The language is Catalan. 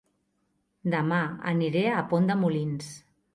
Dema aniré a Pont de Molins